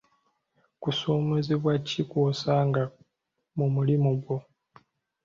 Kusoomoozebwa ki kw'osanga mu mulimu gwo?